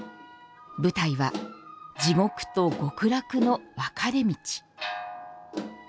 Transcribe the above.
舞台は地獄と極楽の分かれ道。